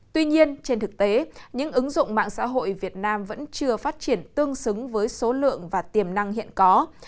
tuy nhiên trên thực tế những ứng dụng mạng xã hội việt nam vẫn chưa phát triển tương xứng với số lượng và tiềm năng hiện có